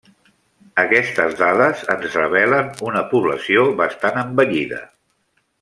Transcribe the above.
Aquestes dades ens revelen una població bastant envellida.